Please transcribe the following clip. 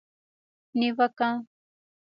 نیوکه